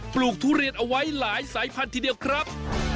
ลูกทุเรียนเอาไว้หลายสายพันธุทีเดียวครับ